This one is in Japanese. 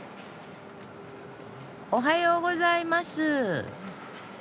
おはようございます。